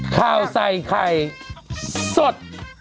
ข่าวใส่ไข่สด